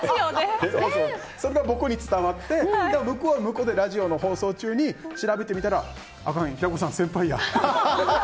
それが僕に伝わって向こうは向こうでラジオの放送中に調べてみたらあかん、平子さん先輩やって。